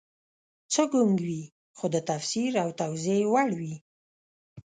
څه ګونګ وي خو د تفسیر او توضیح وړ وي